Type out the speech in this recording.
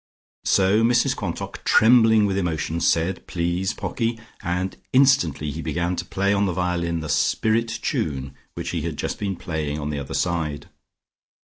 So Mrs Quantock, trembling with emotion, said "Please, Pocky," and instantly he began to play on the violin the spirit tune which he had just been playing on the other side.